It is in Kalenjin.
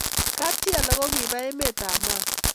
Kap chi alak kokiba emet ab Mau